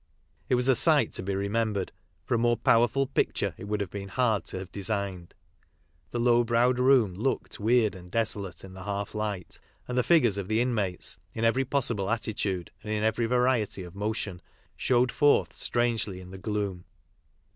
It was a sight to be remembered, tor a more powerful picture it would have been hard to have designed. The low browed room looked weird and desolate in the half light, and the iigures of the inmates, in every possible attitude and m every variety of motion, showed forth strangely in the gloom.